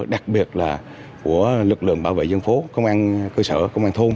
đặc biệt là của lực lượng bảo vệ dân phố công an cơ sở công an thôn